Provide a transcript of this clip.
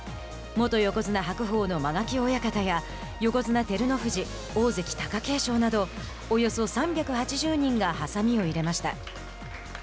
元横綱・白鵬の間垣親方や横綱・照ノ富士大関・貴景勝などおよそ３８０人がはさみを入れました。